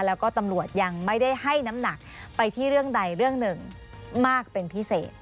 แล้วก็ตำรวจยังไม่ได้ให้น้ำหนักไปที่เรื่องใดเรื่องหนึ่งมากเป็นพิเศษ